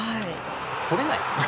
とれないです。